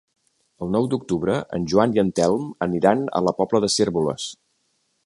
El nou d'octubre en Joan i en Telm aniran a la Pobla de Cérvoles.